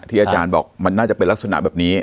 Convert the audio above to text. อาจารย์บอกมันน่าจะเป็นลักษณะแบบนี้